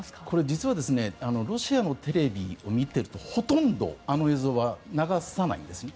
実はロシアのテレビを見ているとほとんどあの映像は流さないんですね。